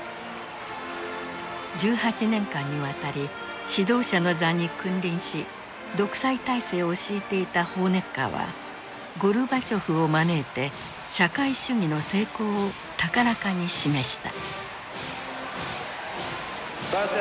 １８年間にわたり指導者の座に君臨し独裁体制を敷いていたホーネッカーはゴルバチョフを招いて社会主義の成功を高らかに示した。